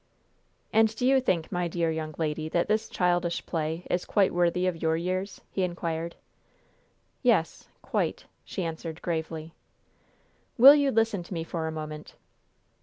"And do you think, my dear young lady, that this childish play is quite worthy of your years?" he inquired. "Yes! quite!" she answered, gravely. "Will you listen to me for a moment?"